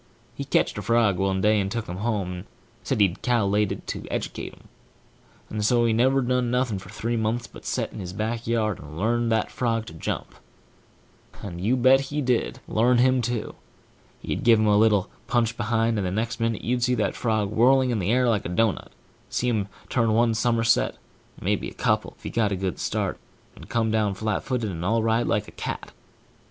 He ketched a frog one day, and took him home, and said he cal'klated to edercate him; and so he never done nothing for three months but set in his back yard and learn that frog to jump. And you bet you he did learn him too. He'd give him a little punch behind, and the next minute you'd see that frog whirling in the air like a doughnut&#8212see him turn one summerset, or may be a couple, if he got a good start, and come down flatfooted and all right, like a cat.